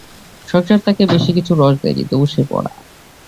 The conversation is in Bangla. সংসার তাকে বেশি কিছু রস দেয় নি, তবু সে ভরা।